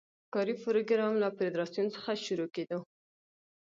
کاري پروګرام له فدراسیون څخه شروع کېدو.